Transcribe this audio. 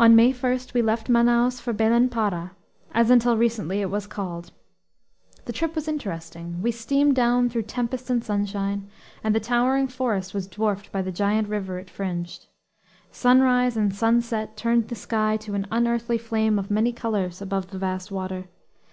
On May 1 we left Manaos for Belen Para, as until recently it was called. The trip was interesting. We steamed down through tempest and sunshine; and the towering forest was dwarfed by the giant river it fringed. Sunrise and sunset turned the sky to an unearthly flame of many colors above the vast water.